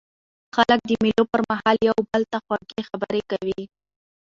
خلک د مېلو پر مهال یو بل ته خوږې خبري کوي.